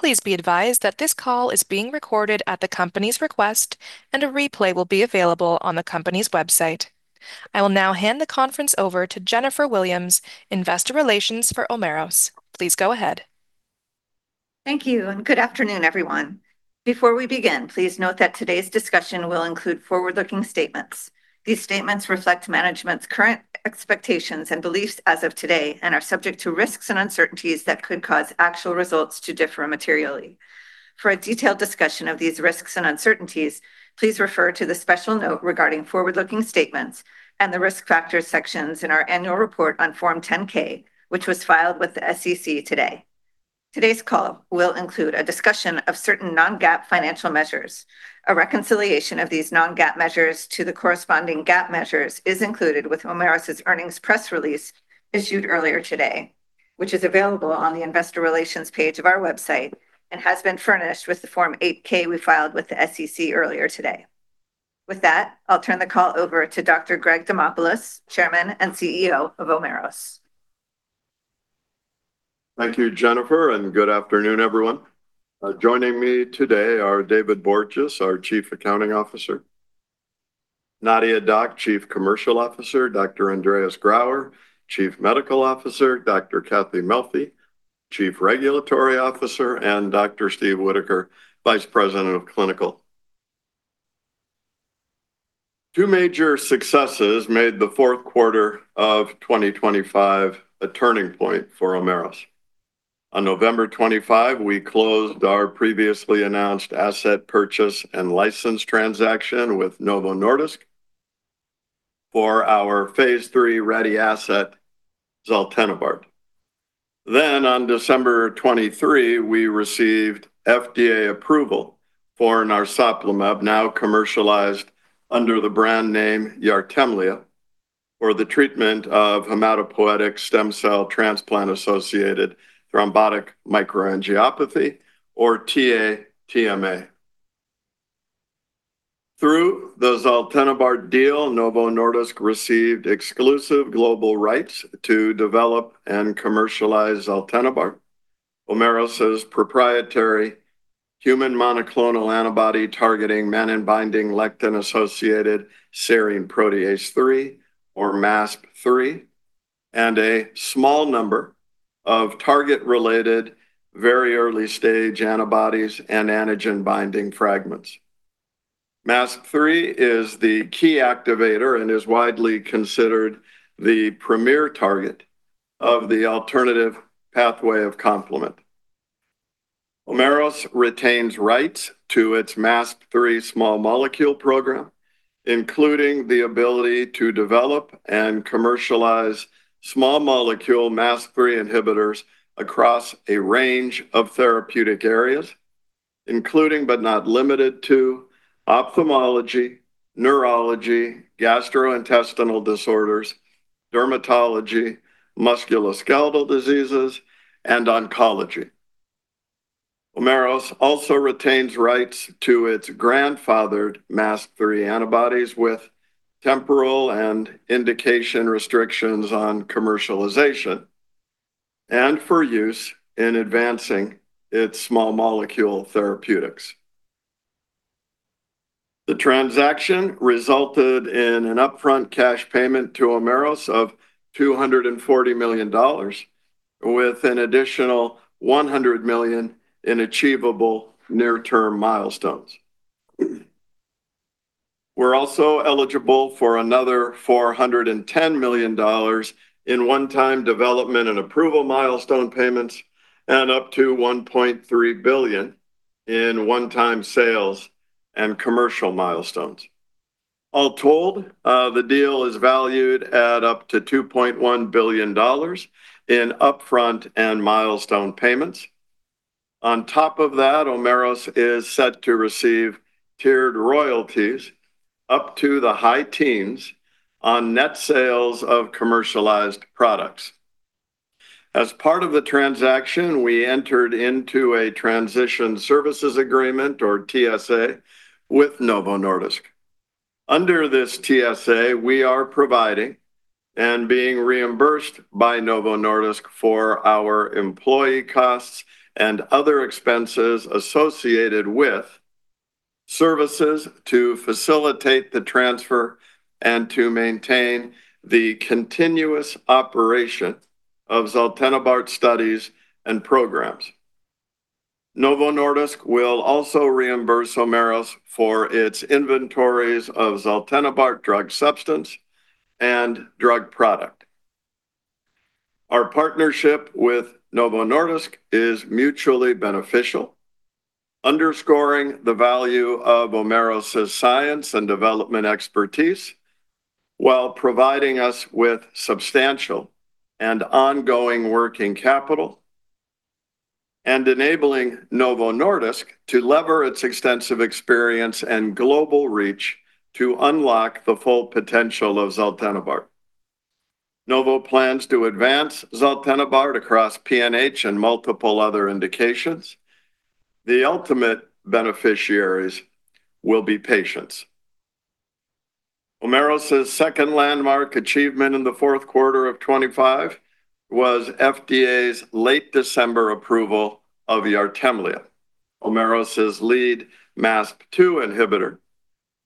Please be advised that this call is being recorded at the company's request, and a replay will be available on the company's website. I will now hand the conference over to Jennifer Williams, Investor Relations for Omeros. Please go ahead. Thank you, and good afternoon, everyone. Before we begin, please note that today's discussion will include forward-looking statements. These statements reflect management's current expectations and beliefs as of today and are subject to risks and uncertainties that could cause actual results to differ materially. For a detailed discussion of these risks and uncertainties, please refer to the special note regarding forward-looking statements and the Risk Factors sections in our annual report on Form 10-K, which was filed with the SEC today. Today's call will include a discussion of certain non-GAAP financial measures. A reconciliation of these non-GAAP measures to the corresponding GAAP measures is included with Omeros' earnings press release issued earlier today, which is available on the Investor Relations page of our website and has been furnished with the Form 8-K we filed with the SEC earlier today. With that, I'll turn the call over to Dr. Greg Demopulos, Chairman and CEO of Omeros. Thank you, Jennifer, and good afternoon, everyone. Joining me today are David Borges, our Chief Accounting Officer, Nadia Dac, Chief Commercial Officer, Dr. Andreas Grauer, Chief Medical Officer, Dr. Cathy Melfi, Chief Regulatory Officer, and Dr. Steve Whittaker, Vice President of Clinical. Two major successes made the fourth quarter of 2025 a turning point for Omeros. On November 25, we closed our previously announced asset purchase and license transaction with Novo Nordisk for our phase III-ready asset zaltenibart. On December 23, we received FDA approval for narsoplimab, now commercialized under the brand name YARTEMLEA, for the treatment of hematopoietic stem cell transplant-associated thrombotic microangiopathy, or TA-TMA. Through the zaltenibart deal, Novo Nordisk received exclusive global rights to develop and commercialize zaltenibart, Omeros' proprietary human monoclonal antibody targeting mannan-binding lectin-associated serine protease three, or MASP-3, and a small number of target-related very early-stage antibodies and antigen-binding fragments. MASP-3 is the key activator and is widely considered the premier target of the alternative pathway of complement. Omeros retains rights to its MASP-3 small molecule program, including the ability to develop and commercialize small molecule MASP-3 inhibitors across a range of therapeutic areas, including but not limited to ophthalmology, neurology, gastrointestinal disorders, dermatology, musculoskeletal diseases, and oncology. Omeros also retains rights to its grandfathered MASP-3 antibodies with temporal and indication restrictions on commercialization and for use in advancing its small molecule therapeutics. The transaction resulted in an upfront cash payment to Omeros of $240 million, with an additional $100 million in achievable near-term milestones. We're also eligible for another $410 million in one-time development and approval milestone payments and up to $1.3 billion in one-time sales and commercial milestones. All told, the deal is valued at up to $2.1 billion in upfront and milestone payments. On top of that, Omeros is set to receive tiered royalties up to the high teens on net sales of commercialized products. As part of the transaction, we entered into a transition services agreement, or TSA, with Novo Nordisk. Under this TSA, we are providing and being reimbursed by Novo Nordisk for our employee costs and other expenses associated with services to facilitate the transfer and to maintain the continuous operation of zaltenibart studies and programs. Novo Nordisk will also reimburse Omeros for its inventories of zaltenibart drug substance and drug product. Our partnership with Novo Nordisk is mutually beneficial, underscoring the value of Omeros' science and development expertise while providing us with substantial and ongoing working capital and enabling Novo Nordisk to lever its extensive experience and global reach to unlock the full potential of zaltenibart. Novo plans to advance zaltenibart across PNH and multiple other indications. The ultimate beneficiaries will be patients. Omeros' second landmark achievement in the fourth quarter of 2025 was FDA's late December approval of YARTEMLEA, Omeros' lead MASP-2 inhibitor,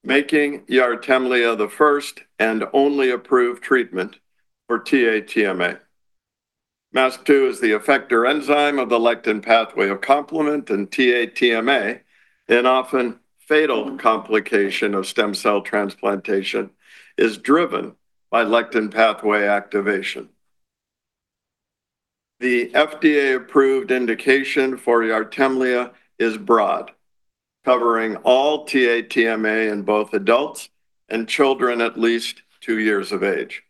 making YARTEMLEA the first and only approved treatment for TA-TMA. MASP-2 is the effector enzyme of the lectin pathway of complement, and TA-TMA, an often fatal complication of stem cell transplantation, is driven by lectin pathway activation. The FDA-approved indication for YARTEMLEA is broad, covering all TA-TMA in both adults and children at least two years of age.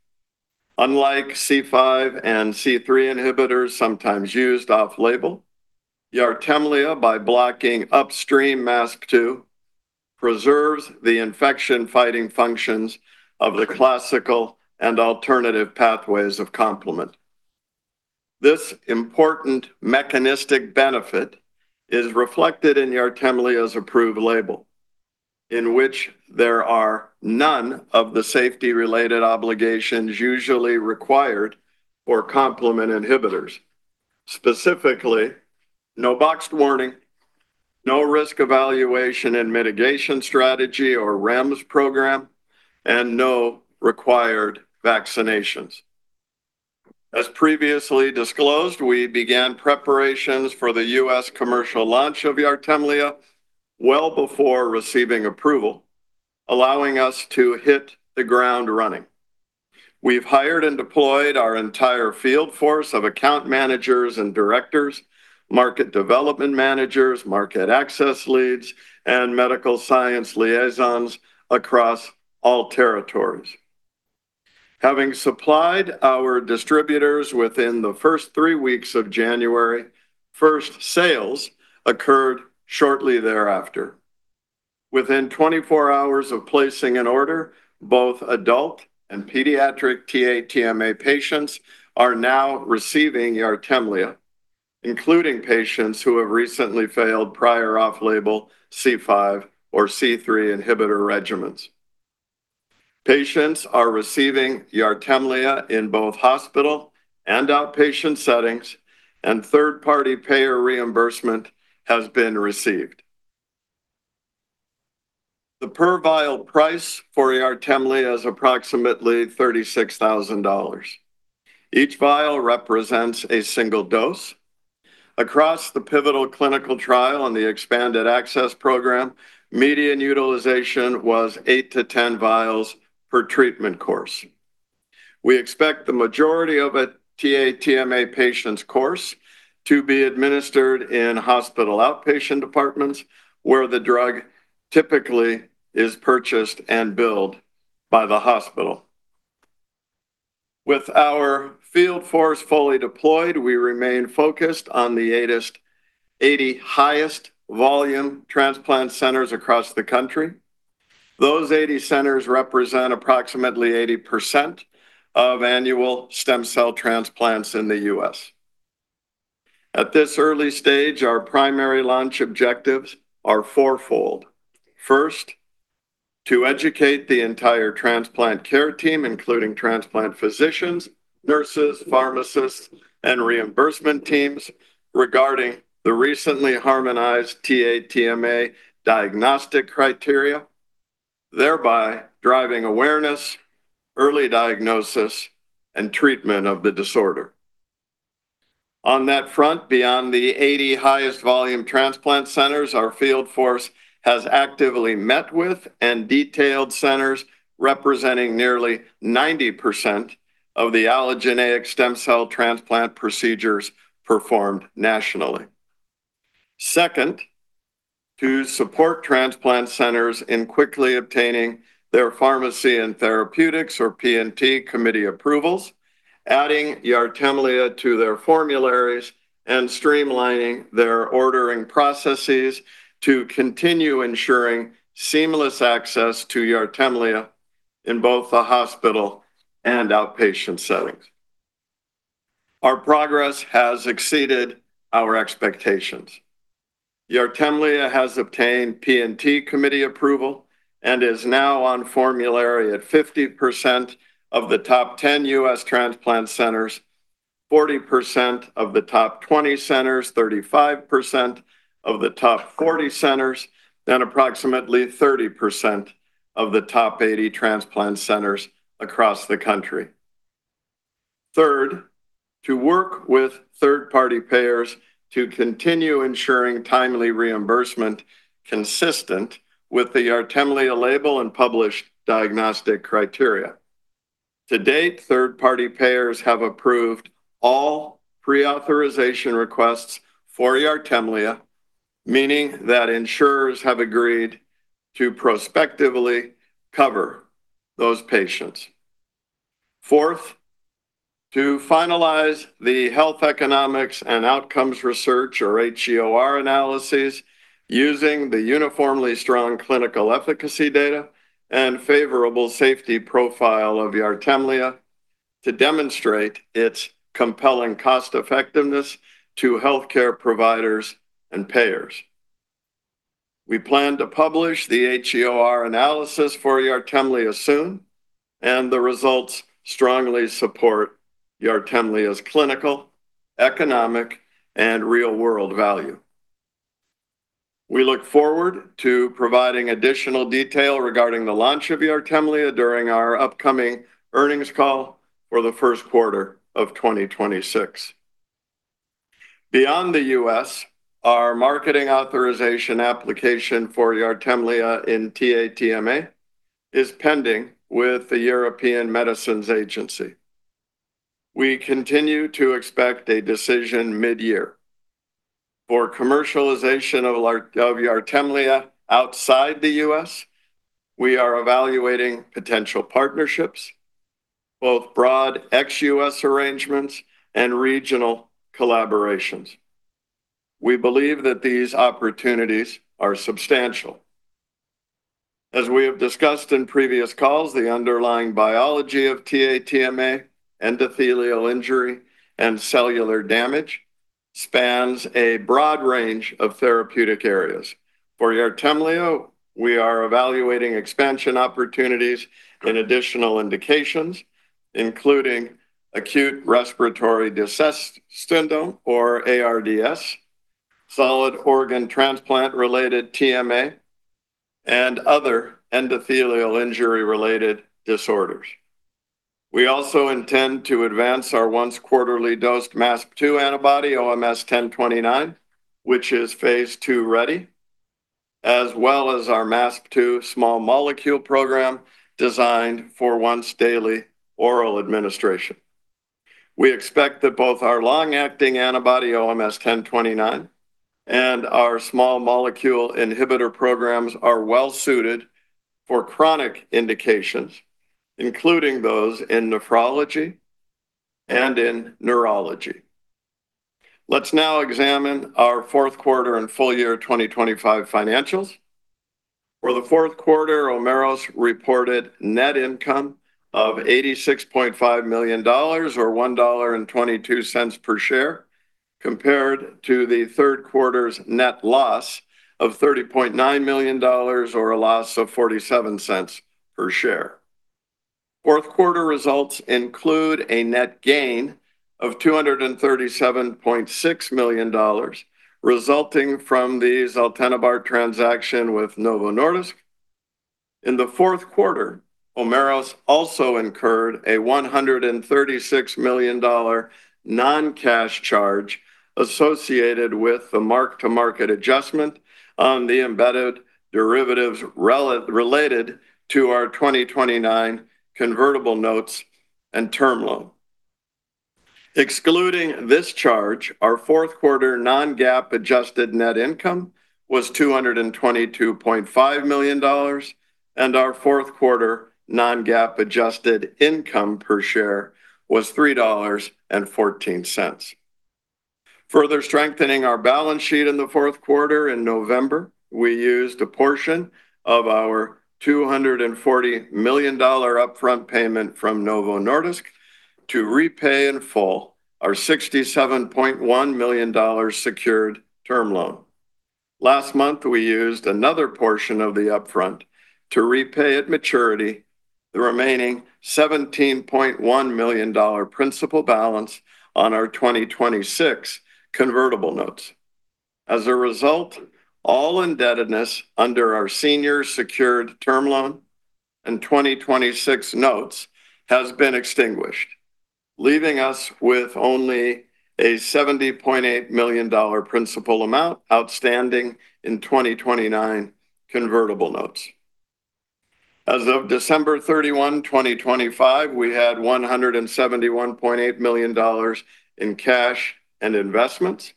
Unlike C5 and C3 inhibitors sometimes used off-label, YARTEMLEA, by blocking upstream MASP-2, preserves the infection-fighting functions of the classical and alternative pathways of complement. This important mechanistic benefit is reflected in YARTEMLEA's approved label, in which there are none of the safety-related obligations usually required for complement inhibitors. Specifically, no boxed warning, no Risk Evaluation and Mitigation Strategy or REMS program, and no required vaccinations. As previously disclosed, we began preparations for the U.S. commercial launch of YARTEMLEA well before receiving approval, allowing us to hit the ground running. We've hired and deployed our entire field force of account managers and directors, market development managers, market access leads, and medical science liaisons across all territories. Having supplied our distributors within the first three weeks of January, first sales occurred shortly thereafter. Within 24 hours of placing an order, both adult and pediatric TA-TMA patients are now receiving YARTEMLEA, including patients who have recently failed prior off-label C5 or C3 inhibitor regimens. Patients are receiving YARTEMLEA in both hospital and outpatient settings, and third-party payer reimbursement has been received. The per vial price for YARTEMLEA is approximately $36,000. Each vial represents a single dose. Across the pivotal clinical trial and the expanded access program, median utilization was eight to 10 vials per treatment course. We expect the majority of a TA-TMA patient's course to be administered in hospital outpatient departments where the drug typically is purchased and billed by the hospital. With our field force fully deployed, we remain focused on the 80 highest volume transplant centers across the country. Those 80 centers represent approximately 80% of annual stem cell transplants in the U.S. At this early stage, our primary launch objectives are fourfold. First, to educate the entire transplant care team, including transplant physicians, nurses, pharmacists, and reimbursement teams regarding the recently harmonized TA-TMA diagnostic criteria, thereby driving awareness, early diagnosis, and treatment of the disorder. On that front, beyond the 80 highest volume transplant centers, our field force has actively met with and detailed centers representing nearly 90% of the allogeneic stem cell transplant procedures performed nationally. Second, to support transplant centers in quickly obtaining their Pharmacy and Therapeutics, or P&T, committee approvals, adding YARTEMLEA to their formularies, and streamlining their ordering processes to continue ensuring seamless access to YARTEMLEA in both the hospital and outpatient settings. Our progress has exceeded our expectations. YARTEMLEA has obtained P&T committee approval and is now on formulary at 50% of the top 10 U.S. transplant centers, 40% of the top 20 centers, 35% of the top 40 centers, and approximately 30% of the top 80 transplant centers across the country. Third, to work with third-party payers to continue ensuring timely reimbursement consistent with the YARTEMLEA label and published diagnostic criteria. To date, third-party payers have approved all pre-authorization requests for YARTEMLEA, meaning that insurers have agreed to prospectively cover those patients. Fourth, to finalize the Health Economics and Outcomes Research, or HEOR, analyses using the uniformly strong clinical efficacy data and favorable safety profile of YARTEMLEA to demonstrate its compelling cost-effectiveness to healthcare providers and payers. We plan to publish the HEOR analysis for YARTEMLEA soon, and the results strongly support YARTEMLEA's clinical, economic, and real-world value. We look forward to providing additional detail regarding the launch of YARTEMLEA during our upcoming earnings call for the first quarter of 2026. Beyond the U.S., our marketing authorization application for YARTEMLEA in TA-TMA is pending with the European Medicines Agency. We continue to expect a decision mid-year. For commercialization of YARTEMLEA outside the U.S., we are evaluating potential partnerships, both broad ex-U.S. arrangements and regional collaborations. We believe that these opportunities are substantial. As we have discussed in previous calls, the underlying biology of TA-TMA, endothelial injury, and cellular damage spans a broad range of therapeutic areas. For YARTEMLEA, we are evaluating expansion opportunities in additional indications, including acute respiratory distress syndrome or ARDS, solid organ transplant-related TMA, and other endothelial injury-related disorders. We also intend to advance our once quarterly dosed MASP-2 antibody, OMS1029, which is phase II-ready, as well as our MASP-2 small molecule program designed for once daily oral administration. We expect that both our long-acting antibody, OMS1029, and our small molecule inhibitor programs are well suited for chronic indications, including those in nephrology and in neurology. Let's now examine our fourth quarter and full-year 2025 financials. For the fourth quarter, Omeros reported net income of $86.5 million or $1.22 per share, compared to the third quarter's net loss of $30.9 million or a loss of $0.47 per share. Fourth quarter results include a net gain of $237.6 million resulting from the zaltenibart transaction with Novo Nordisk. In the fourth quarter, Omeros also incurred a $136 million non-cash charge associated with the mark-to-market adjustment on the embedded derivatives related to our 2029 convertible notes and term loan. Excluding this charge, our fourth quarter non-GAAP adjusted net income was $222.5 million, and our fourth quarter non-GAAP adjusted income per share was $3.14. Further strengthening our balance sheet in the fourth quarter in November, we used a portion of our $240 million upfront payment from Novo Nordisk to repay in full our $67.1 million secured term loan. Last month, we used another portion of the upfront to repay at maturity the remaining $17.1 million principal balance on our 2026 convertible notes. As a result, all indebtedness under our senior secured term loan and 2026 notes has been extinguished, leaving us with only a $70.8 million principal amount outstanding in 2029 convertible notes. As of December 31, 2025, we had $171.8 million in cash and investments,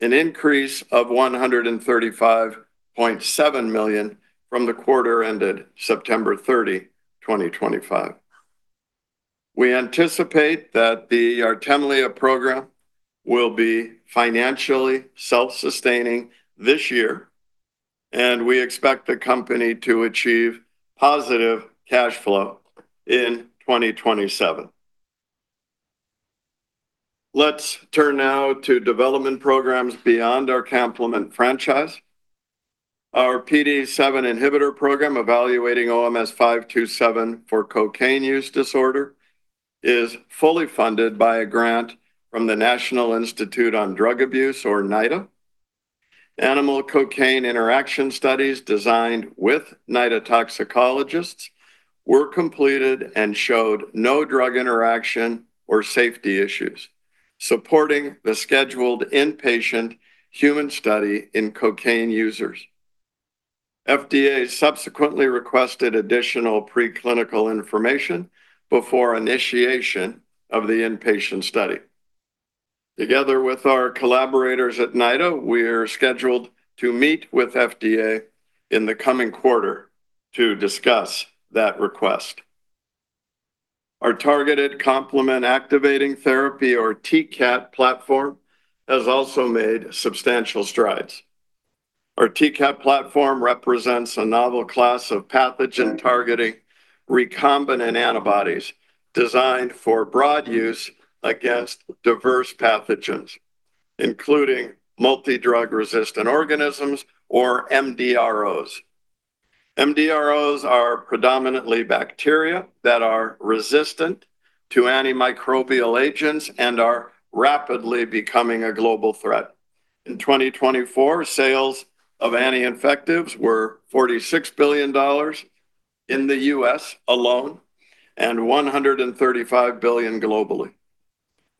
an increase of $135.7 million from the quarter ended September 30, 2025. We anticipate that the YARTEMLEA program will be financially self-sustaining this year, and we expect the company to achieve positive cash flow in 2027. Let's turn now to development programs beyond our complement franchise. Our PDE7 inhibitor program evaluating OMS527 for cocaine use disorder is fully funded by a grant from the National Institute on Drug Abuse or NIDA. Animal cocaine interaction studies designed with NIDA toxicologists were completed and showed no drug interaction or safety issues, supporting the scheduled inpatient human study in cocaine users. FDA subsequently requested additional preclinical information before initiation of the inpatient study. Together with our collaborators at NIDA, we are scheduled to meet with FDA in the coming quarter to discuss that request. Our targeted complement activating therapy or T-CAT platform has also made substantial strides. Our T-CAT platform represents a novel class of pathogen-targeting recombinant antibodies designed for broad use against diverse pathogens, including multidrug-resistant organisms or MDROs. MDROs are predominantly bacteria that are resistant to antimicrobial agents and are rapidly becoming a global threat. In 2024, sales of anti-infectives were $46 billion in the U.S. alone, and $135 billion globally.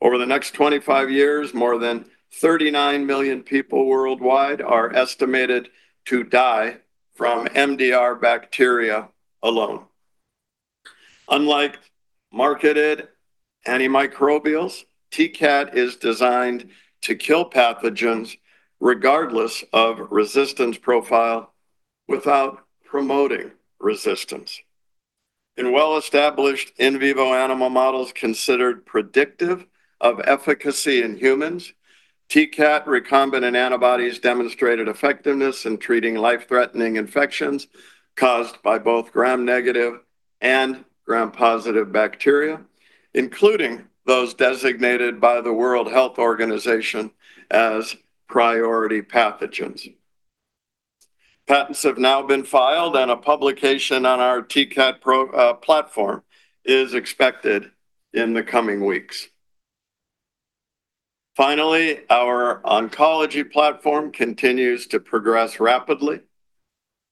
Over the next 25 years, more than 39 million people worldwide are estimated to die from MDR bacteria alone. Unlike marketed antimicrobials, T-CAT is designed to kill pathogens regardless of resistance profile without promoting resistance. In well-established in vivo animal models considered predictive of efficacy in humans, T-CAT recombinant antibodies demonstrated effectiveness in treating life-threatening infections caused by both Gram-negative and Gram-positive bacteria, including those designated by the World Health Organization as priority pathogens. Patents have now been filed, and a publication on our T-CAT platform is expected in the coming weeks. Finally, our oncology platform continues to progress rapidly.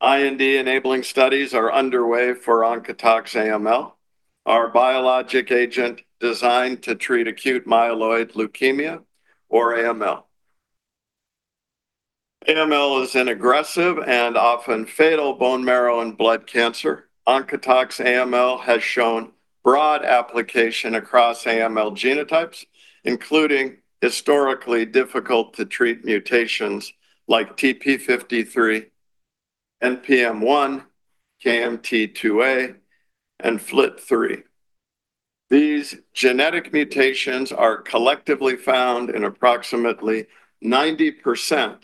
IND-enabling studies are underway for OncotoX-AML, our biologic agent designed to treat acute myeloid leukemia, or AML. AML is an aggressive and often fatal bone marrow and blood cancer. OncotoX-AML has shown broad application across AML genotypes, including historically difficult to treat mutations like TP53, NPM1, KMT2A, and FLT3. These genetic mutations are collectively found in approximately 90%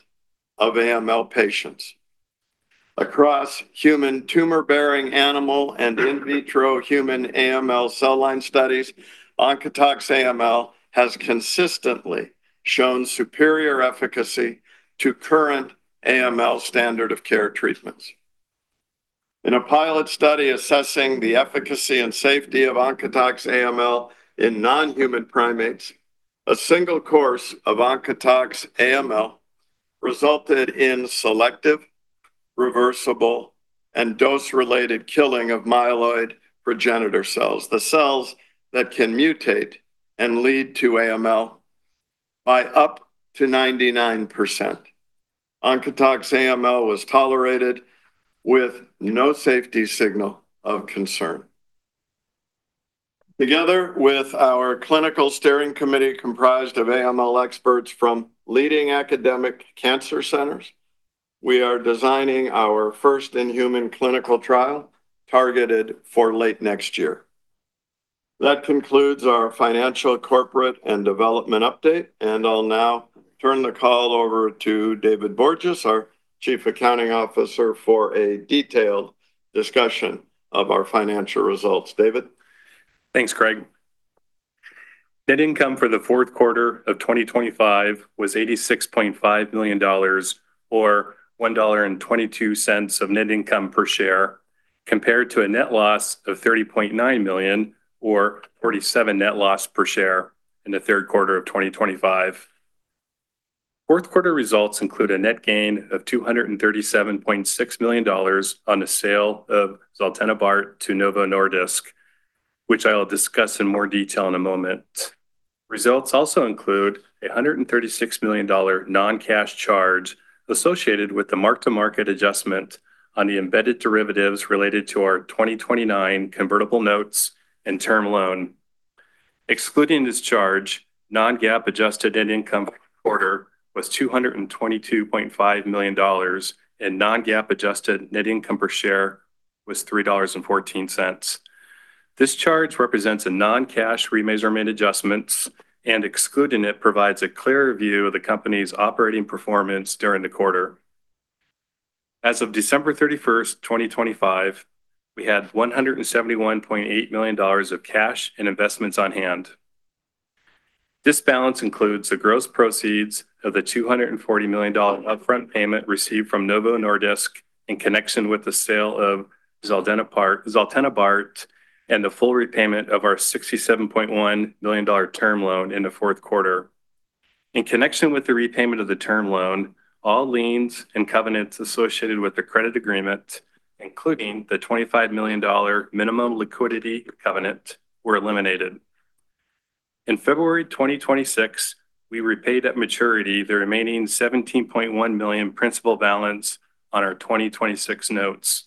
of AML patients. Across human tumor-bearing animal and in vitro human AML cell line studies, OncotoX-AML has consistently shown superior efficacy to current AML standard of care treatments. In a pilot study assessing the efficacy and safety of OncotoX-AML in non-human primates, a single course of OncotoX-AML resulted in selective, reversible, and dose-related killing of myeloid progenitor cells, the cells that can mutate and lead to AML, by up to 99%. OncotoX-AML was tolerated with no safety signal of concern. Together with our clinical steering committee comprised of AML experts from leading academic cancer centers, we are designing our first in-human clinical trial targeted for late next year. That concludes our financial, corporate, and development update, and I'll now turn the call over to David Borges, our Chief Accounting Officer, for a detailed discussion of our financial results. David? Thanks, Greg. Net income for the fourth quarter of 2025 was $86.5 million or $1.22 of net income per share, compared to a net loss of $30.9 million or $0.47 net loss per share in the third quarter of 2025. Fourth quarter results include a net gain of $237.6 million on the sale of zaltenibart to Novo Nordisk, which I will discuss in more detail in a moment. Results also include a $136 million non-cash charge associated with the mark-to-market adjustment on the embedded derivatives related to our 2029 convertible notes and term loan. Excluding this charge, non-GAAP adjusted net income for the quarter was $222.5 million, and non-GAAP adjusted net income per share was $3.14. This charge represents a non-cash remeasurement adjustments, and excluding it provides a clearer view of the company's operating performance during the quarter. As of December 31, 2025, we had $171.8 million of cash and investments on hand. This balance includes the gross proceeds of the $240 million upfront payment received from Novo Nordisk in connection with the sale of zaltenibart, and the full repayment of our $67.1 million term loan in the fourth quarter. In connection with the repayment of the term loan, all liens and covenants associated with the credit agreement, including the $25 million minimum liquidity covenant, were eliminated. In February 2026, we repaid at maturity the remaining $17.1 million principal balance on our 2026 notes.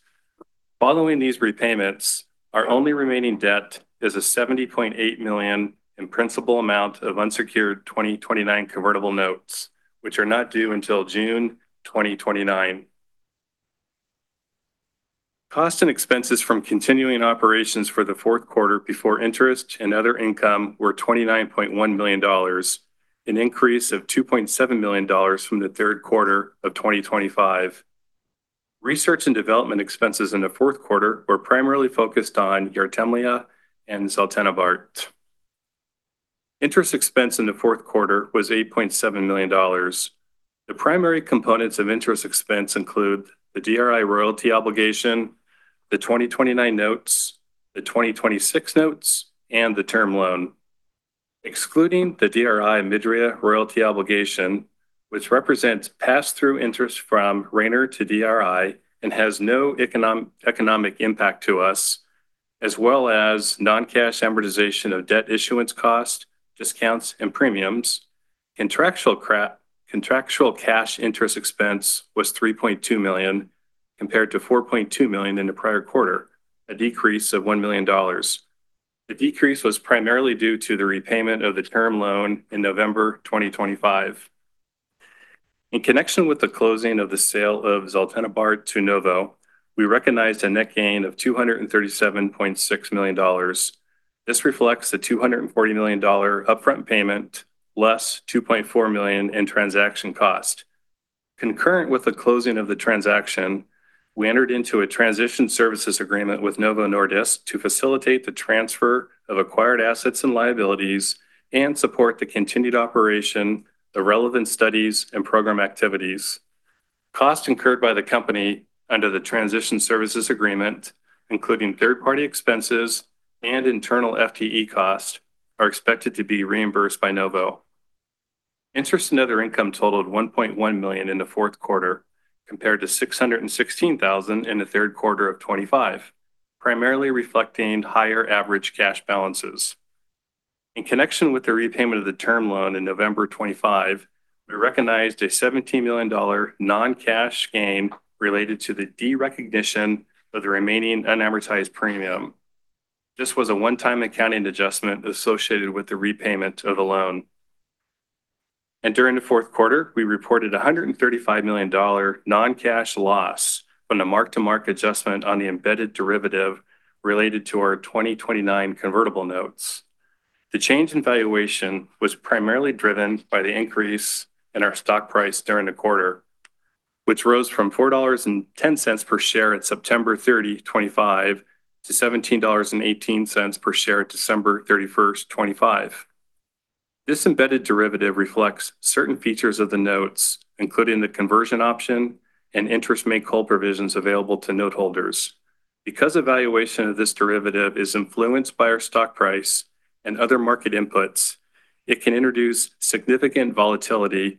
Following these repayments, our only remaining debt is a $70.8 million in principal amount of unsecured 2029 convertible notes, which are not due until June 2029. Costs and expenses from continuing operations for the fourth quarter before interest and other income were $29.1 million, an increase of $2.7 million from the third quarter of 2025. Research and development expenses in the fourth quarter were primarily focused on YARTEMLEA and zaltenibart. Interest expense in the fourth quarter was $8.7 million. The primary components of interest expense include the dri OMIDRIA royalty obligation, the 2029 notes, the 2026 notes, and the term loan. Excluding the DRI OMIDRIA royalty obligation, which represents pass-through interest from Rayner to DRI and has no economic impact to us, as well as non-cash amortization of debt issuance costs, discounts, and premiums. Contractual cash interest expense was $3.2 million, compared to $4.2 million in the prior quarter, a decrease of $1 million. The decrease was primarily due to the repayment of the term loan in November 2025. In connection with the closing of the sale of zaltenibart to Novo, we recognized a net gain of $237.6 million. This reflects the $240 million upfront payment less $2.4 million in transaction cost. Concurrent with the closing of the transaction, we entered into a transition services agreement with Novo Nordisk to facilitate the transfer of acquired assets and liabilities and support the continued operation, the relevant studies and program activities. Costs incurred by the company under the transition services agreement, including third-party expenses and internal FTE costs, are expected to be reimbursed by Novo. Interest and other income totaled $1.1 million in the fourth quarter, compared to $616,000 in the third quarter of 2025, primarily reflecting higher average cash balances. In connection with the repayment of the term loan in November 2025, we recognized a $17 million non-cash gain related to the derecognition of the remaining unamortized premium. This was a one-time accounting adjustment associated with the repayment of the loan. During the fourth quarter, we reported a $135 million non-cash loss from the mark-to-market adjustment on the embedded derivative related to our 2029 convertible notes. The change in valuation was primarily driven by the increase in our stock price during the quarter, which rose from $4.10 per share at September 30, 2025 to $17.18 per share at December 31, 2025. This embedded derivative reflects certain features of the notes, including the conversion option and interest make whole provisions available to note holders. Because evaluation of this derivative is influenced by our stock price and other market inputs, it can introduce significant volatility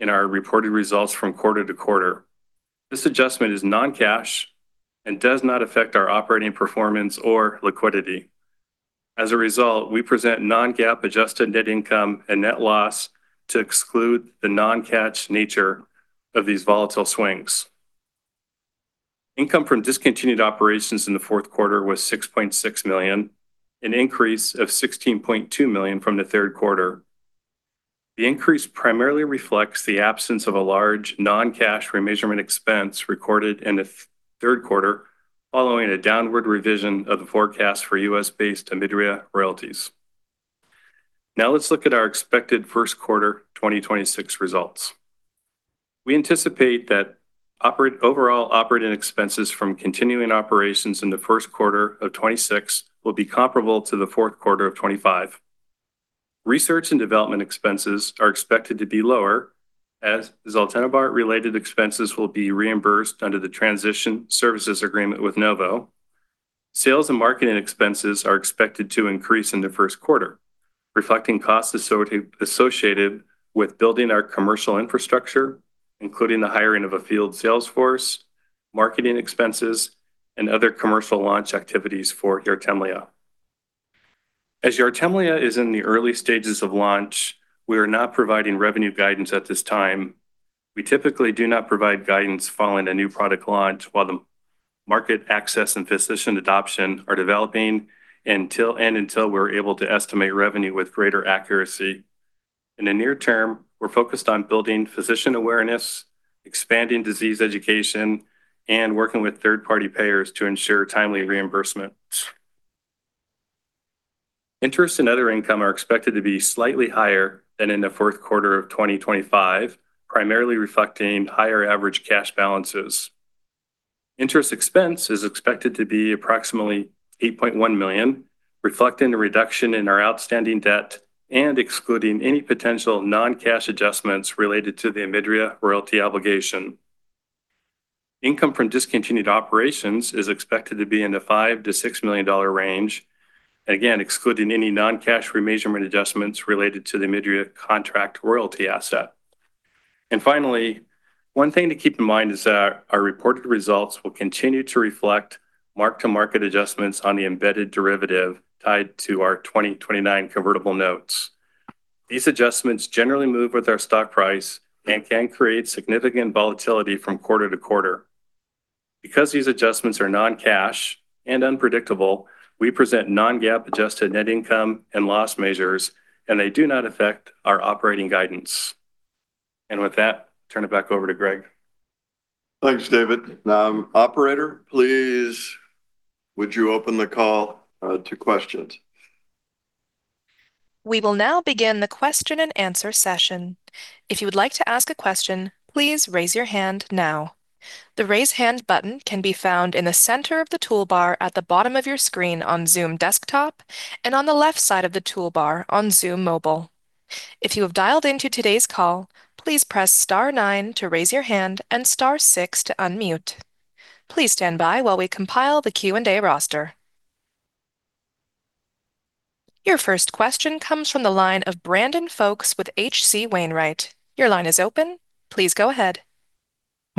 in our reported results from quarter to quarter. This adjustment is non-cash and does not affect our operating performance or liquidity. As a result, we present non-GAAP adjusted net income and net loss to exclude the non-cash nature of these volatile swings. Income from discontinued operations in the fourth quarter was $6.6 million, an increase of $16.2 million from the third quarter. The increase primarily reflects the absence of a large non-cash remeasurement expense recorded in the third quarter, following a downward revision of the forecast for U.S.-based OMIDRIA royalties. Now let's look at our expected first quarter 2026 results. We anticipate that overall operating expenses from continuing operations in the first quarter of 2026 will be comparable to the fourth quarter of 2025. Research and development expenses are expected to be lower as zaltenibart-related expenses will be reimbursed under the transition services agreement with Novo. Sales and marketing expenses are expected to increase in the first quarter, reflecting costs associated with building our commercial infrastructure, including the hiring of a field sales force, marketing expenses, and other commercial launch activities for YARTEMLEA. As YARTEMLEA is in the early stages of launch, we are not providing revenue guidance at this time. We typically do not provide guidance following a new product launch while the market access and physician adoption are developing until we're able to estimate revenue with greater accuracy. In the near term, we're focused on building physician awareness, expanding disease education, and working with third-party payers to ensure timely reimbursement. Interest and other income are expected to be slightly higher than in the fourth quarter of 2025, primarily reflecting higher average cash balances. Interest expense is expected to be approximately $8.1 million, reflecting the reduction in our outstanding debt and excluding any potential non-cash adjustments related to the OMIDRIA royalty obligation. Income from discontinued operations is expected to be in the $5 million-$6 million range, again, excluding any non-cash remeasurement adjustments related to the OMIDRIA contract royalty asset. Finally, one thing to keep in mind is that our reported results will continue to reflect mark-to-market adjustments on the embedded derivative tied to our 2029 convertible notes. These adjustments generally move with our stock price and can create significant volatility from quarter to quarter. Because these adjustments are non-cash and unpredictable, we present non-GAAP adjusted net income and loss measures, and they do not affect our operating guidance. With that, turn it back over to Greg. Thanks, David. Operator, please would you open the call to questions? We will now begin the question and answer session. If you would like to ask a question, please raise your hand now. The Raise Hand button can be found in the center of the toolbar at the bottom of your screen on Zoom desktop and on the left side of the toolbar on Zoom mobile. If you have dialed into today's call, please press star nine to raise your hand and star six to unmute. Please stand by while we compile the Q&A roster. Your first question comes from the line of Brandon Folkes with H.C. Wainwright. Your line is open. Please go ahead.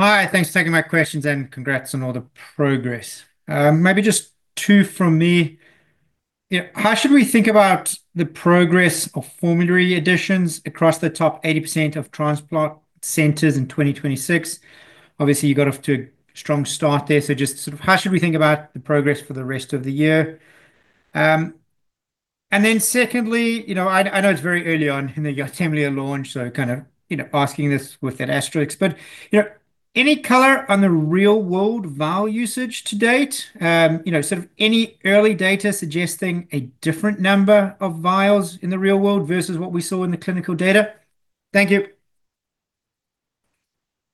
Hi. Thanks for taking my questions, and congrats on all the progress. Maybe just two from me. Yeah, how should we think about the progress of formulary additions across the top 80% of transplant centers in 2026? Obviously you got off to a strong start there, so just sort of how should we think about the progress for the rest of the year? And then secondly, you know, I know it's very early on in the YARTEMLEA launch, so kind of, you know, asking this with that asterisk, but, you know, any color on the real-world vial usage to date? You know, sort of any early data suggesting a different number of vials in the real world versus what we saw in the clinical data? Thank you.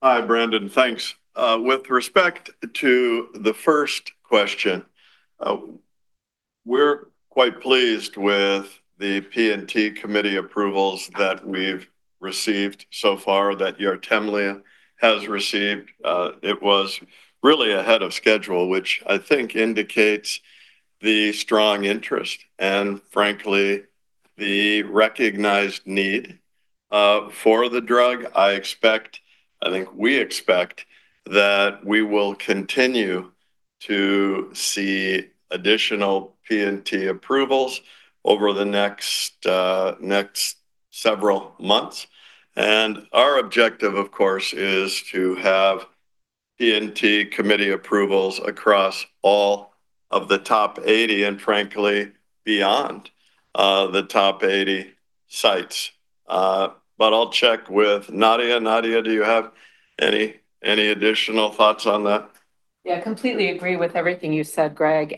Hi, Brandon. Thanks. With respect to the first question, we're quite pleased with the P&T committee approvals that we've received so far, that YARTEMLEA has received. It was really ahead of schedule, which I think indicates the strong interest and, frankly, the recognized need for the drug. I think we expect that we will continue to see additional P&T approvals over the next several months. Our objective, of course, is to have P&T committee approvals across all of the top 80 and, frankly, beyond the top 80 sites. I'll check with Nadia. Nadia, do you have any additional thoughts on that? Yeah, completely agree with everything you said, Greg.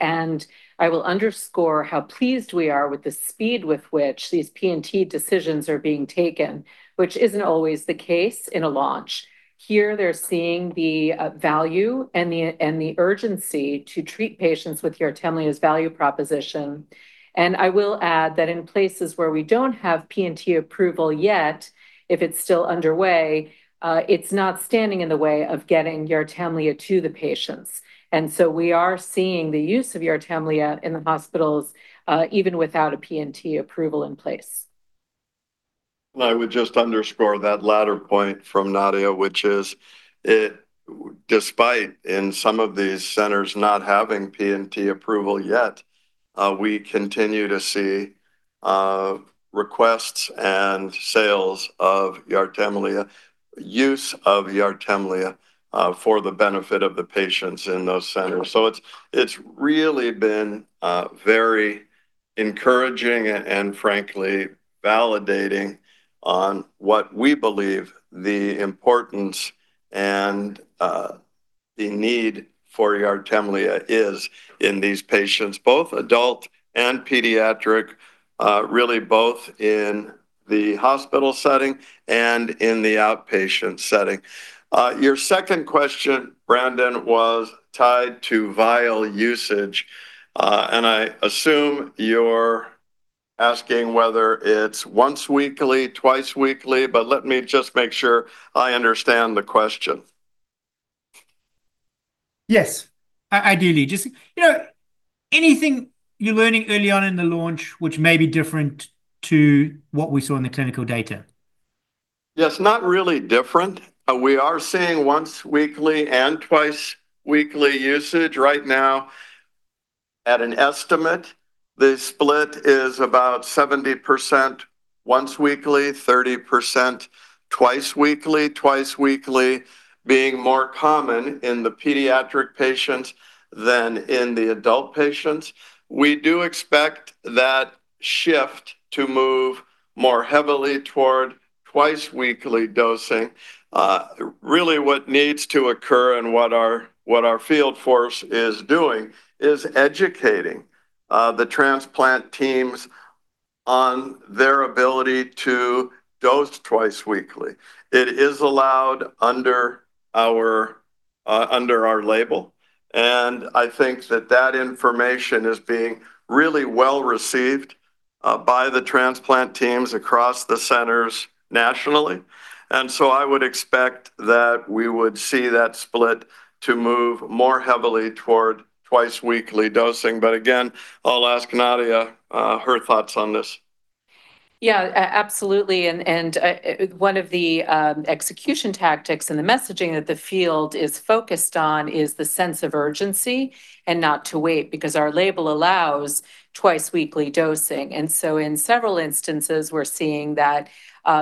I will underscore how pleased we are with the speed with which these P&T decisions are being taken, which isn't always the case in a launch. Here they're seeing the value and the urgency to treat patients with YARTEMLEA's value proposition. I will add that in places where we don't have P&T approval yet, if it's still underway, it's not standing in the way of getting YARTEMLEA to the patients. We are seeing the use of YARTEMLEA in the hospitals, even without a P&T approval in place. I would just underscore that latter point from Nadia, which is despite in some of these centers not having P&T approval yet, we continue to see requests and sales of YARTEMLEA, use of YARTEMLEA, for the benefit of the patients in those centers. It's really been very encouraging and frankly validating on what we believe the importance and the need for YARTEMLEA is in these patients, both adult and pediatric, really both in the hospital setting and in the outpatient setting. Your second question, Brandon, was tied to vial usage. I assume you're asking whether it's once weekly, twice weekly, but let me just make sure I understand the question. Yes. Ideally. Just, you know, anything you're learning early on in the launch which may be different to what we saw in the clinical data. Yes, not really different. We are seeing once weekly and twice weekly usage right now. At an estimate, the split is about 70% once weekly, 30% twice weekly, twice weekly being more common in the pediatric patients than in the adult patients. We do expect that shift to move more heavily toward twice weekly dosing. Really what needs to occur and what our field force is doing is educating the transplant teams on their ability to dose twice weekly. It is allowed under our label, and I think that information is being really well received by the transplant teams across the centers nationally. I would expect that we would see that split to move more heavily toward twice weekly dosing. But again, I'll ask Nadia her thoughts on this. Yeah, absolutely. One of the execution tactics and the messaging that the field is focused on is the sense of urgency and not to wait because our label allows twice weekly dosing. In several instances we're seeing that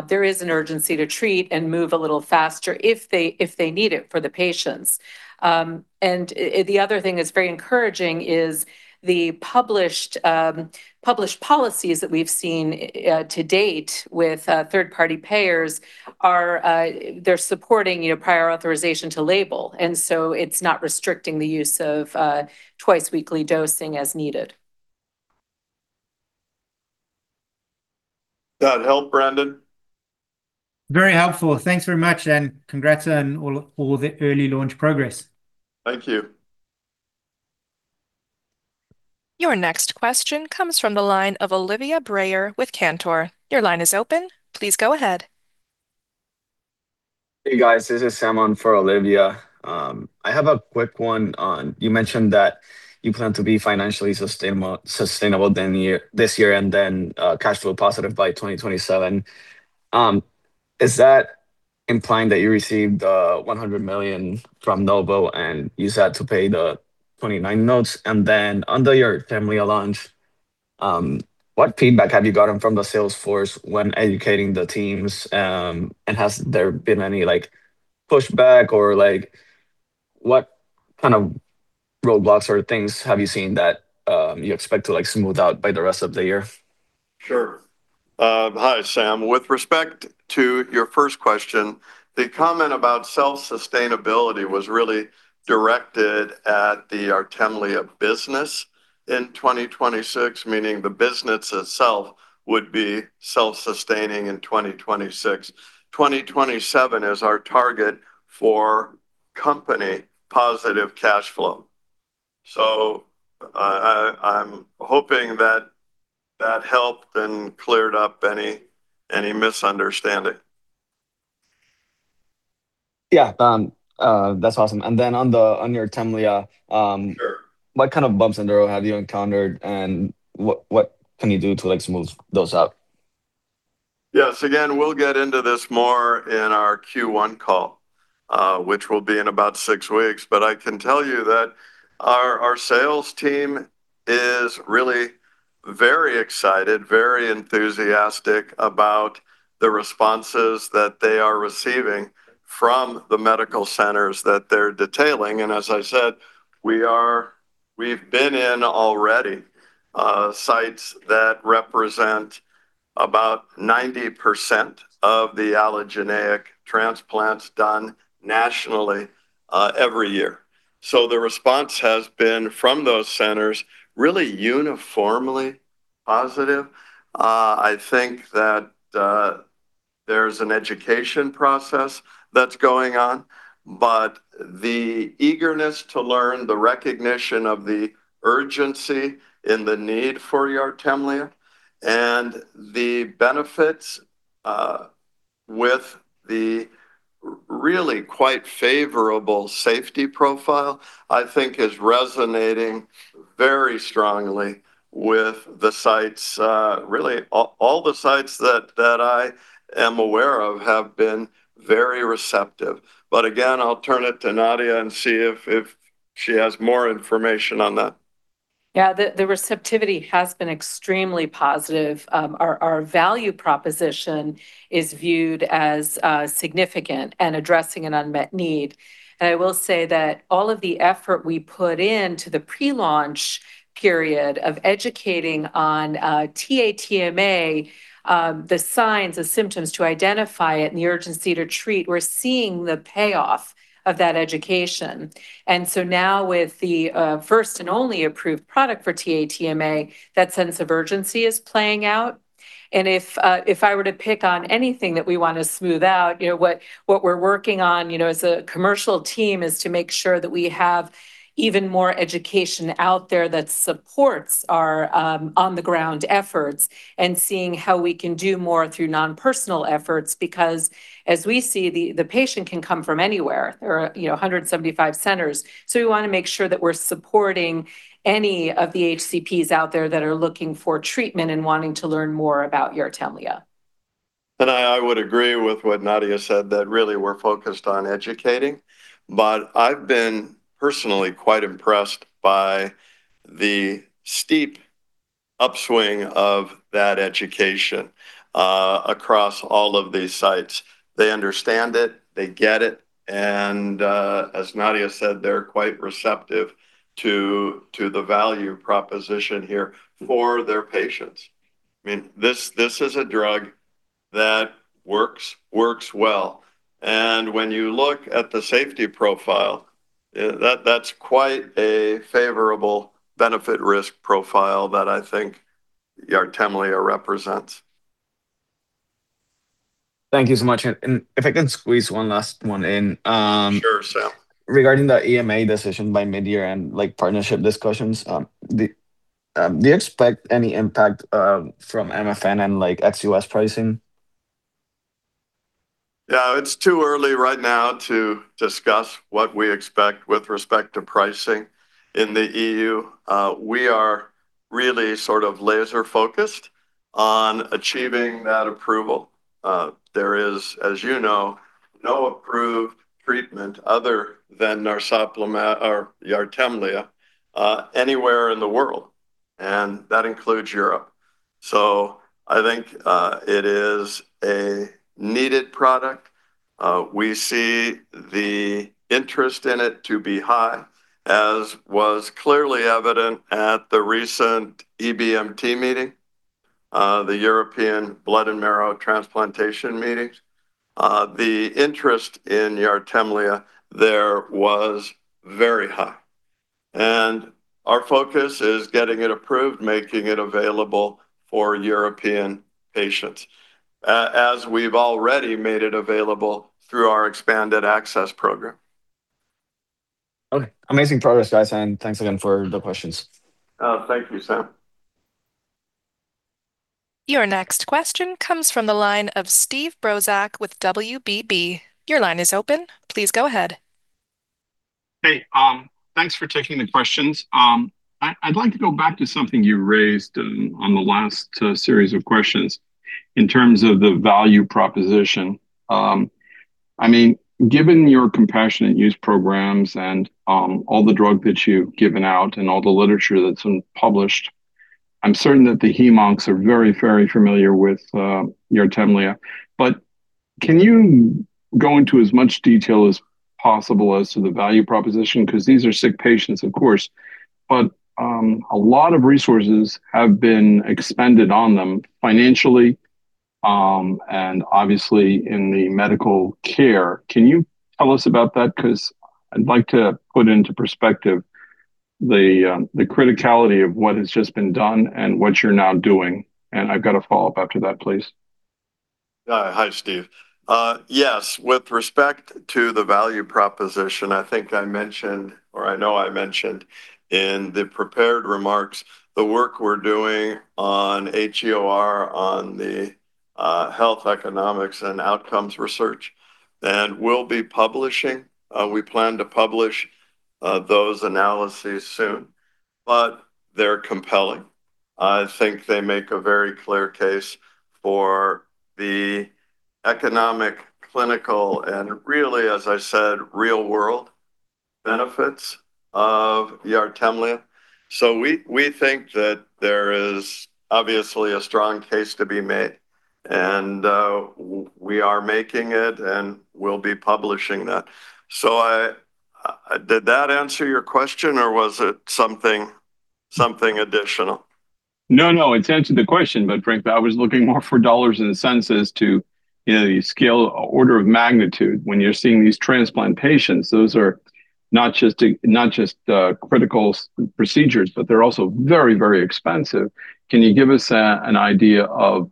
there is an urgency to treat and move a little faster if they need it for the patients. The other thing that's very encouraging is the published policies that we've seen to date with third-party payers. They're supporting, you know, prior authorization to label. It's not restricting the use of twice weekly dosing as needed. That help, Brandon? Very helpful. Thanks very much, and congrats on all the early launch progress. Thank you. Your next question comes from the line of Olivia Brayer with Cantor. Your line is open, please go ahead. Hey guys, this is Sam on for Olivia. I have a quick one on, you mentioned that you plan to be financially sustainable this year and then cash flow positive by 2027. Is that implying that you received the $100 million from Novo and you just had to pay the $29 million notes? And then under your formulary allowance, what feedback have you gotten from the sales force when educating the teams? And has there been any like pushback or like what kind of roadblocks or things have you seen that you expect to like smooth out by the rest of the year? Sure. Hi, Sam. With respect to your first question, the comment about self-sustainability was really directed at the YARTEMLEA business in 2026, meaning the business itself would be self-sustaining in 2026. 2027 is our target for company positive cash flow. I'm hoping that helped and cleared up any misunderstanding. Yeah. That's awesome. On your YARTEMLEA- Sure. What kind of bumps in the road have you encountered and what can you do to like smooth those out? Yes. Again, we'll get into this more in our Q1 call, which will be in about six weeks. I can tell you that our sales team is really very excited, very enthusiastic about the responses that they are receiving from the medical centers that they're detailing. As I said, we've been in already sites that represent about 90% of the allogeneic transplants done nationally every year. The response has been from those centers really uniformly positive. I think that there's an education process that's going on. The eagerness to learn, the recognition of the urgency and the need for YARTEMLEA and the benefits with the really quite favorable safety profile, I think is resonating very strongly with the sites. Really all the sites that I am aware of have been very receptive. Again, I'll turn it to Nadia and see if she has more information on that. Yeah. The receptivity has been extremely positive. Our value proposition is viewed as significant and addressing an unmet need. I will say that all of the effort we put into the pre-launch period of educating on TA-TMA, the signs, the symptoms to identify it and the urgency to treat, we're seeing the payoff of that education. Now with the first and only approved product for TA-TMA, that sense of urgency is playing out. If I were to pick on anything that we wanna smooth out, you know, what we're working on as a commercial team is to make sure that we have even more education out there that supports our on-the-ground efforts and seeing how we can do more through non-personal efforts. Because as we see, the patient can come from anywhere. There are, you know, 175 centers. We wanna make sure that we're supporting any of the HCPs out there that are looking for treatment and wanting to learn more about YARTEMLEA. I would agree with what Nadia said, that really we're focused on educating. I've been personally quite impressed by the steep upswing of that education across all of these sites. They understand it, they get it, and as Nadia said, they're quite receptive to the value proposition here for their patients. I mean, this is a drug that works well. When you look at the safety profile, that's quite a favorable benefit risk profile that I think YARTEMLEA represents. Thank you so much. If I can squeeze one last one in? Sure, Sam. Regarding the EMA decision by midyear and like partnership discussions, do you expect any impact from MFN and like ex-U.S. pricing? Yeah. It's too early right now to discuss what we expect with respect to pricing in the EU. We are really sort of laser focused on achieving that approval. There is, as you know, no approved treatment other than narsoplimab or YARTEMLEA, anywhere in the world, and that includes Europe. I think it is a needed product. We see the interest in it to be high, as was clearly evident at the recent EBMT meeting, the European Blood and Marrow Transplantation meetings. The interest in YARTEMLEA there was very high. Our focus is getting it approved, making it available for European patients, as we've already made it available through our expanded access program. Okay. Amazing progress, guys, and thanks again for the questions. Oh, thank you, Sam. Your next question comes from the line of Steve Brozak with WBB. Your line is open. Please go ahead. Hey, thanks for taking the questions. I'd like to go back to something you raised in on the last series of questions in terms of the value proposition. I mean, given your compassionate use programs and all the drug that you've given out and all the literature that's been published, I'm certain that the hem/onc are very, very familiar with your YARTEMLEA. But can you go into as much detail as possible as to the value proposition? 'Cause these are sick patients, of course, but a lot of resources have been expended on them financially and obviously in the medical care. Can you tell us about that? 'Cause I'd like to put into perspective the criticality of what has just been done and what you're now doing. I've got a follow-up after that, please. Hi, Steve. Yes, with respect to the value proposition, I think I mentioned, or I know I mentioned, in the prepared remarks the work we're doing on HEOR, on the health economics and outcomes research. We'll be publishing, we plan to publish, those analyses soon, but they're compelling. I think they make a very clear case for the economic, clinical, and really, as I said, real-world benefits of YARTEMLEA. We think that there is obviously a strong case to be made, and we are making it, and we'll be publishing that. Did that answer your question, or was it something additional? No, no, it's answered the question. Frankly, I was looking more for dollars and cents as to, you know, the scale order of magnitude when you're seeing these transplant patients. Those are not just critical procedures, but they're also very, very expensive. Can you give us an idea of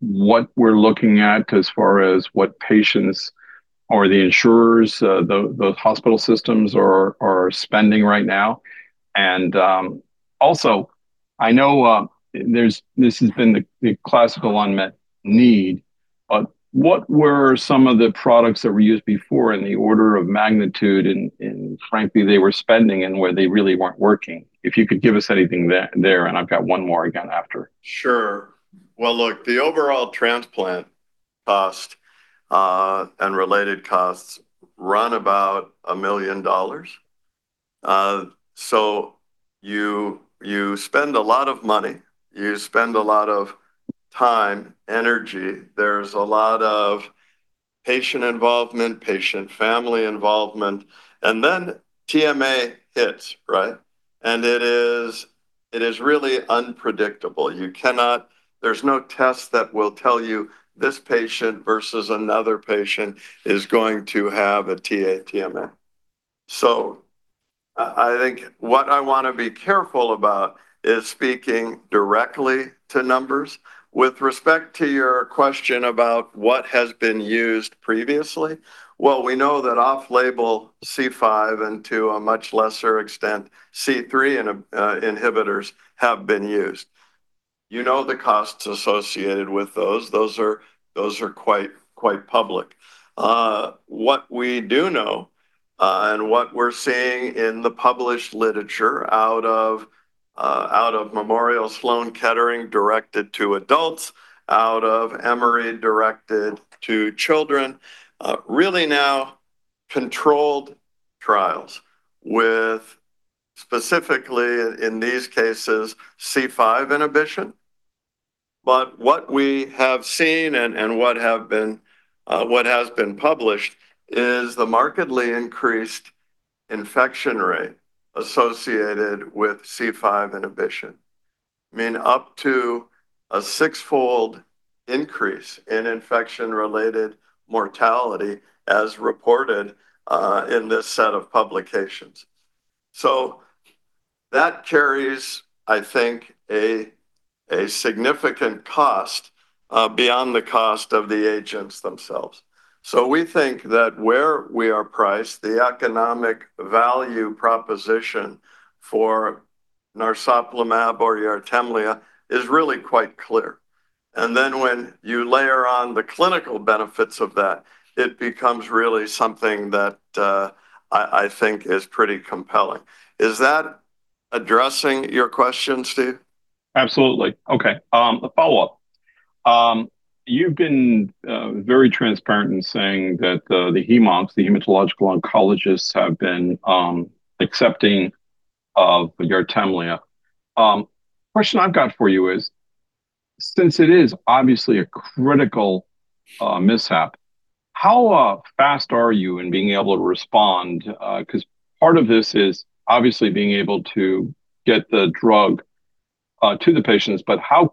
what we're looking at as far as what patients or the insurers, the hospital systems are spending right now? Also, I know there's this has been the classical unmet need, but what were some of the products that were used before in the order of magnitude and frankly they were spending and where they really weren't working? If you could give us anything there, and I've got one more again after. Sure. Well, look, the overall transplant cost and related costs run about $1 million. So you spend a lot of money, you spend a lot of time, energy. There's a lot of patient involvement, patient family involvement, and then TMA hits, right? It is really unpredictable. You cannot. There's no test that will tell you this patient versus another patient is going to have a TA-TMA. I think what I want to be careful about is speaking directly to numbers. With respect to your question about what has been used previously, well, we know that off-label C5 and to a much lesser extent C3 inhibitors have been used. You know, the costs associated with those are quite public. What we do know, and what we're seeing in the published literature out of Memorial Sloan Kettering, directed to adults, out of Emory, directed to children, really now controlled trials with, specifically in these cases, C5 inhibition. What we have seen and what has been published is the markedly increased infection rate associated with C5 inhibition. I mean, up to a six-fold increase in infection-related mortality as reported in this set of publications. That carries, I think, a significant cost beyond the cost of the agents themselves. We think that where we are priced, the economic value proposition for narsoplimab or YARTEMLEA is really quite clear. Then when you layer on the clinical benefits of that, it becomes really something that, I think, is pretty compelling. Is that addressing your question, Steve? Absolutely. Okay, a follow-up. You've been very transparent in saying that the hem-oncs, the hematological oncologists have been accepting of YARTEMLEA. Question I've got for you is, since it is obviously a critical mishap, how fast are you in being able to respond? 'Cause part of this is obviously being able to get the drug to the patients. But how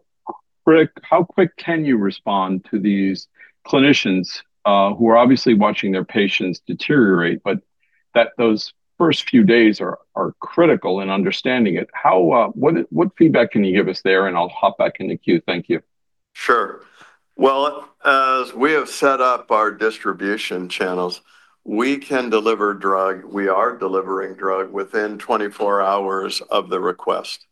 quick can you respond to these clinicians who are obviously watching their patients deteriorate, but those first few days are critical in understanding it? How? What feedback can you give us there? I'll hop back in the queue. Thank you. Sure. Well, as we have set up our distribution channels, we can deliver drug, we are delivering drug within 24 hours of the request.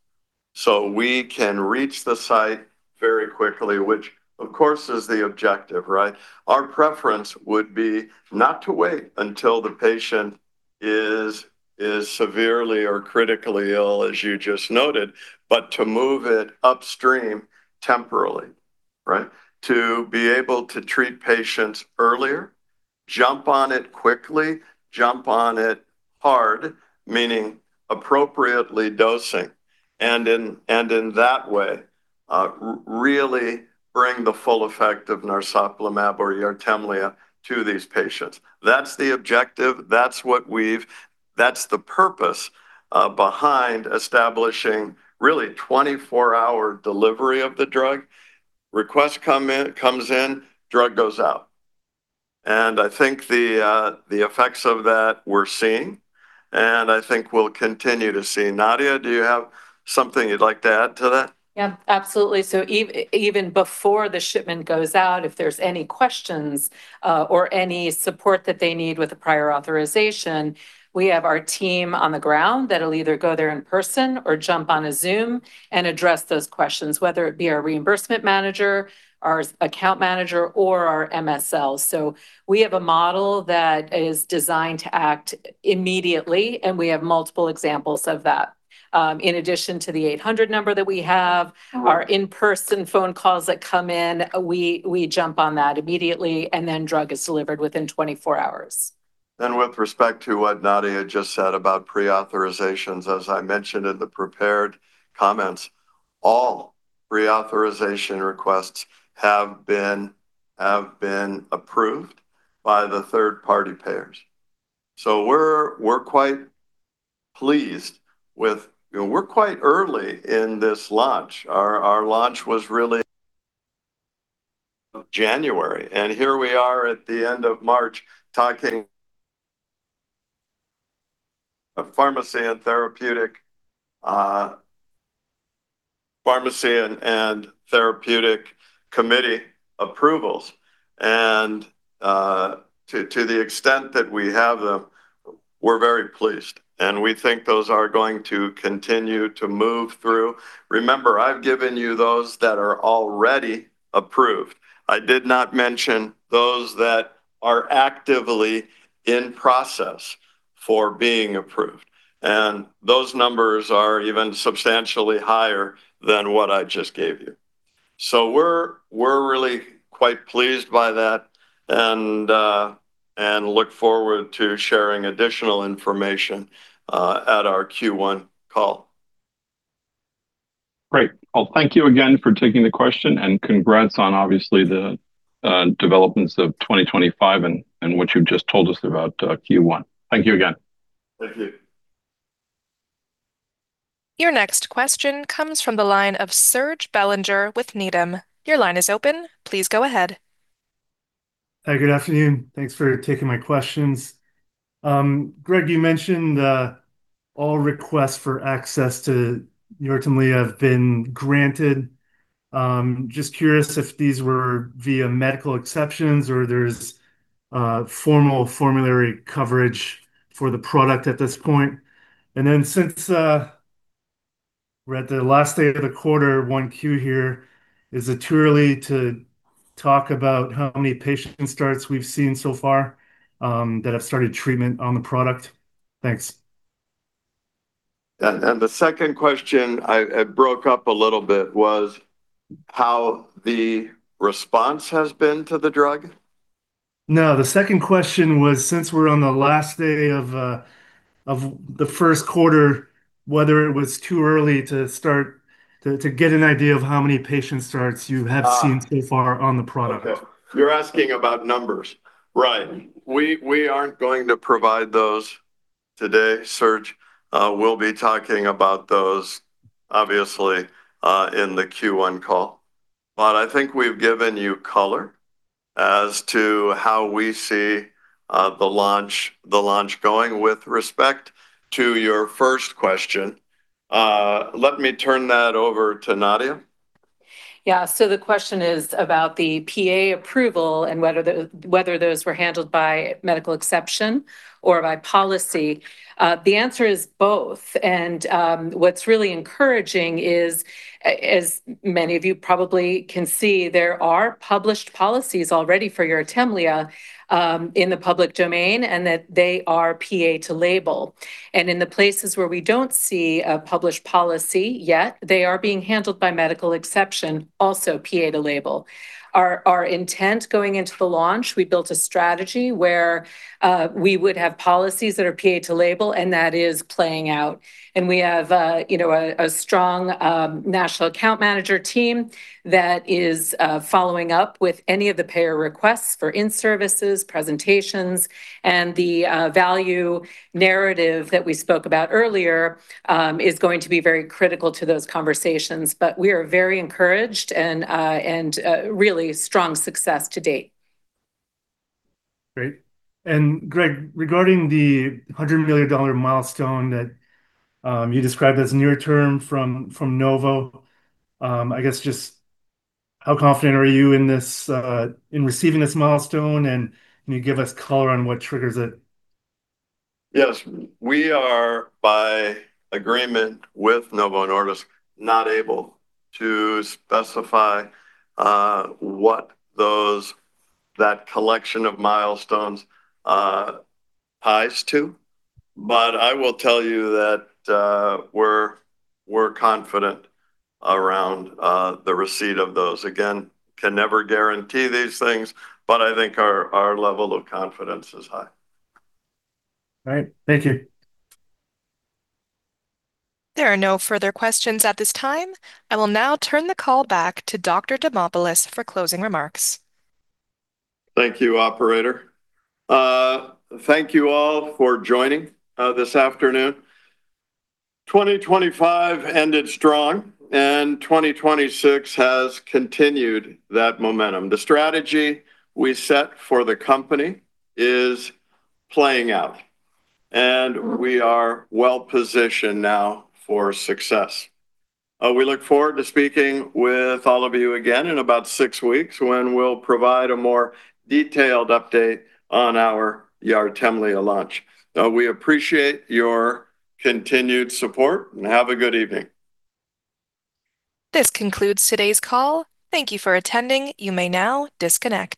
We can reach the site very quickly, which of course is the objective, right? Our preference would be not to wait until the patient is severely or critically ill, as you just noted, but to move it upstream temporally, right? To be able to treat patients earlier, jump on it quickly, jump on it hard, meaning appropriately dosing. In that way, really bring the full effect of narsoplimab or YARTEMLEA to these patients. That's the objective, that's what we've. That's the purpose behind establishing really 24-hour delivery of the drug. Request comes in, drug goes out. I think the effects of that we're seeing, and I think we'll continue to see. Nadia, do you have something you'd like to add to that? Yeah, absolutely. Even before the shipment goes out, if there's any questions, or any support that they need with the prior authorization, we have our team on the ground that'll either go there in person or jump on a Zoom and address those questions, whether it be our reimbursement manager, our account manager, or our MSLs. We have a model that is designed to act immediately, and we have multiple examples of that. In addition to the 800 number that we have, our in-person phone calls that come in, we jump on that immediately, and then drug is delivered within 24 hours. With respect to what Nadia just said about pre-authorizations, as I mentioned in the prepared comments, all pre-authorization requests have been approved by the third-party payers. We're quite pleased with. You know, we're quite early in this launch. Our launch was really January, and here we are at the end of March talking of pharmacy and therapeutic committee approvals. To the extent that we have them, we're very pleased, and we think those are going to continue to move through. Remember, I've given you those that are already approved. I did not mention those that are actively in process for being approved, and those numbers are even substantially higher than what I just gave you. We're really quite pleased by that and look forward to sharing additional information at our Q1 call. Great. Well, thank you again for taking the question, and congrats on obviously the developments of 2025 and what you've just told us about Q1. Thank you again. Thank you. Your next question comes from the line of Serge Belanger with Needham. Your line is open. Please go ahead. Hi, good afternoon. Thanks for taking my questions. Greg, you mentioned all requests for access to YARTEMLEA have been granted. Just curious if these were via medical exceptions or there's formal formulary coverage for the product at this point. Then since we're at the last day of the quarter, Q1 here, is it too early to talk about how many patient starts we've seen so far that have started treatment on the product? Thanks. The second question, I broke up a little bit, was how the response has been to the drug? No, the second question was, since we're on the last day of the first quarter, whether it was too early to get an idea of how many patient starts you have seen so far on the product. Okay. You're asking about numbers. Right. We aren't going to provide those today, Serge. We'll be talking about those obviously in the Q1 call. I think we've given you color as to how we see the launch going. With respect to your first question, let me turn that over to Nadia. Yeah. The question is about the PA approval and whether those were handled by medical exception or by policy. The answer is both. What's really encouraging is, as many of you probably can see, there are published policies already for YARTEMLEA in the public domain, and that they are PA to label. In the places where we don't see a published policy yet, they are being handled by medical exception, also PA to label. Our intent going into the launch, we built a strategy where we would have policies that are PA to label, and that is playing out. We have, you know, a strong national account manager team that is following up with any of the payer requests for in-services, presentations, and the value narrative that we spoke about earlier is going to be very critical to those conversations. We are very encouraged and really strong success to date. Great. Greg, regarding the $100 million milestone that you described as near-term from Novo, I guess just how confident are you in this in receiving this milestone? Can you give us color on what triggers it? Yes. We are by agreement with Novo Nordisk not able to specify what that collection of milestones ties to. I will tell you that we're confident around the receipt of those. Again, can never guarantee these things, but I think our level of confidence is high. All right. Thank you. There are no further questions at this time. I will now turn the call back to Dr. Demopulos for closing remarks. Thank you, operator. Thank you all for joining this afternoon. 2025 ended strong, and 2026 has continued that momentum. The strategy we set for the company is playing out, and we are well-positioned now for success. We look forward to speaking with all of you again in about six weeks when we'll provide a more detailed update on our YARTEMLEA launch. We appreciate your continued support, and have a good evening. This concludes today's call. Thank you for attending. You may now disconnect.